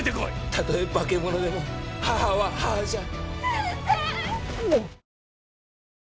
たとえ化け物でも母は母じゃ！